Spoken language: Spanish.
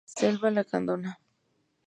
Selva Lacandona